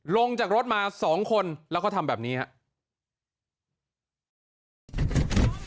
ลงจากรถมา๒คนแล้วก็ทำแบบนี้ครับ